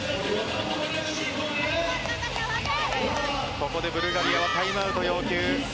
ここでブルガリアはタイムアウト要求。